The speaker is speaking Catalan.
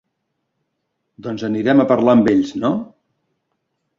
Doncs anem a parlar amb ells, no?